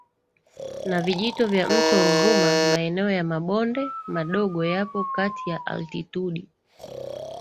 na vijito vya mto Ruvuma Maeneo ya mabonde madogo yapo kati ya altitudi